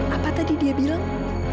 apa tadi dia bilang